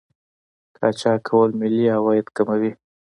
قاچاق کول ملي عواید کموي.